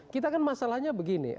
kita kan masalahnya begini